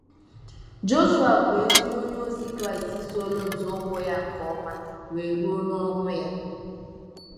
Joshua bụ ezi onye ozi Kraịstị soro nzọụkwụ Ya nke ọma wee ruo n'ọnwụ ya